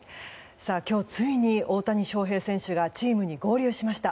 今日ついに大谷翔平選手がチームに合流しました。